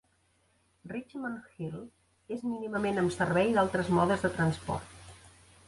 Richmond Hill és mínimament amb servei d'altres modes de transport.